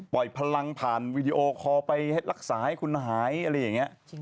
พลังผ่านวีดีโอคอลไปรักษาให้คุณหายอะไรอย่างนี้